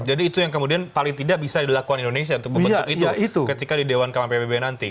jadi itu yang kemudian paling tidak bisa dilakukan indonesia untuk membentuk itu ketika di dewan kawan pbb nanti